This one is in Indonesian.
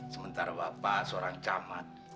sementara bapak seorang camat